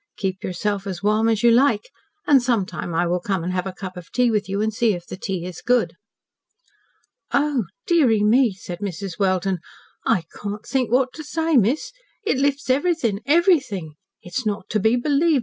Keep yourself as warm as you like, and sometime I will come and have a cup of tea with you and see if the tea is good." "Oh! Deary me!" said Mrs. Welden. "I can't think what to say, miss. It lifts everythin' everythin'. It's not to be believed.